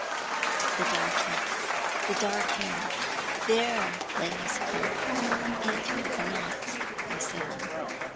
109 The dark hair, the dark hair ! There lay his hope. It could not be Sibyl.